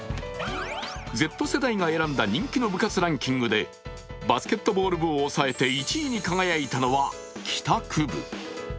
Ｚ世代が選んだ人気の部活ランキングでバスケットボール部を抑えて１位に輝いたのは帰宅部。